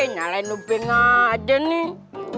nyalain uping aja nih